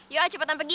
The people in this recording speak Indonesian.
yua cepetan pergi